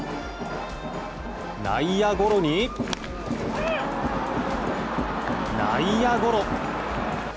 内野ゴロに、内野ゴロ。